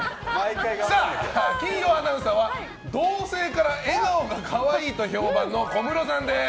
金曜アナウンサーは同性から笑顔が可愛いと人気の小室さんです。